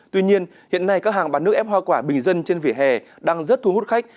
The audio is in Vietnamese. tuy nhiên hiện nay các hàng bán nước ép hoa quả bình dân trên vỉa hè đang rất thu hút khách